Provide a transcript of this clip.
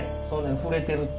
触れてるって。